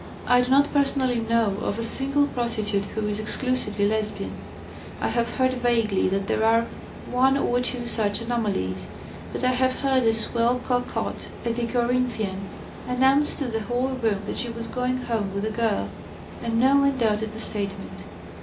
I do not personally know of a single prostitute who is exclusively Lesbian; I have heard vaguely that there are one or two such anomalies. But I have heard a swell cocotte at the Corinthian announce to the whole room that she was going home with a girl; and no one doubted the statement.